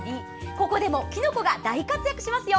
ここでも、きのこが大活躍しますよ。